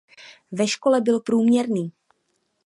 Ve škole byl průměrný.